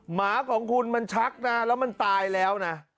หมาของคุณมันชักนะแล้วมันตายแล้วนะ